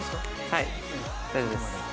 はい、大丈夫です。